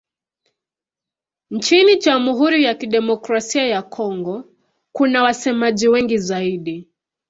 Nchini Jamhuri ya Kidemokrasia ya Kongo kuna wasemaji wengi zaidi.